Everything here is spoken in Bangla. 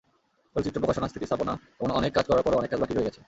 চলচ্চিত্র, প্রকাশনা, স্মৃতিস্থাপনা—এমন অনেক কাজ করার পরও অনেক কাজ বাকি রয়ে গেছে।